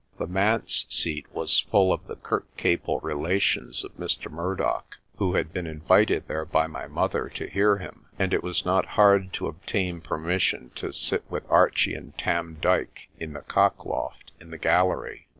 The manse seat was full of the Kirkcaple relations of Mr. Murdoch, who had been invited there by my mother to hear him, and it was not hard to obtain permission to sit with Archie and Tarn Dyke in the cock loft in the gallery.